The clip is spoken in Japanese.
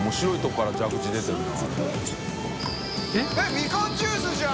みかんジュースじゃん！